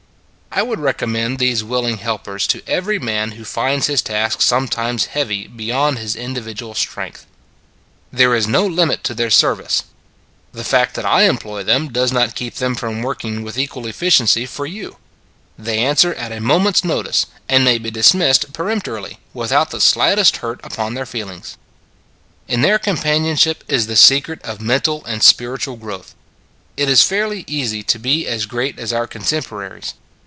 I would commend these willing helpers to every man who finds his task sometimes heavy beyond his individual strength. There is no limit to their service. The fact that I employ them does not keep them from working with equal efficiency for you. They answer at a moment s no tice, and may be dismissed peremptorily without the slightest hurt upon their feel ings. 122 It s a Good Old World In their companionship is the secret of mental and spiritual growth. It is fairly easy to be as great as our contemporaries.